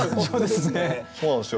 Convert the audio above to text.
そうなんですよ。